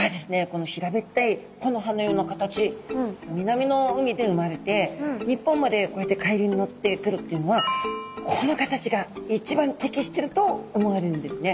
この平べったい木の葉のような形南の海で生まれて日本までこうやって海流に乗ってくるっていうのはこの形が一番適していると思われるんですね。